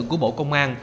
của bộ công an